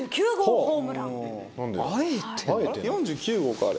４９号かあれ。